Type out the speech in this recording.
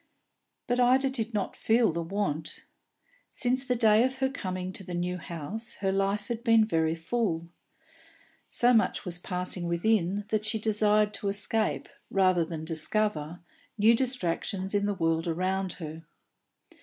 But Ida did not feel the want. Since the day of her coming to the new house her life had been very full; so much was passing within, that she desired to escape, rather than discover, new distractions in the world around her.